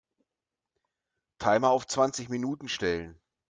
Timer auf zwanzig Minuten stellen.